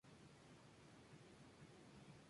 Es un cortometraje extraño con una historia perturbadora.